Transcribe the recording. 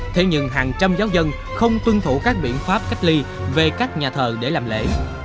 thế nhưng hàng trăm giáo dân không tuân thủ các biện pháp cách ly về các nhà thờ để làm lễ